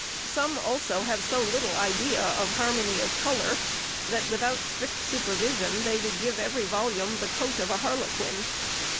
Some also have so little idea of harmony of colour, that without strict supervision they would give every volume the coat of a harlequin.